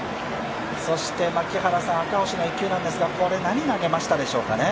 赤星の１球ですが、何を投げましたでしょうかね？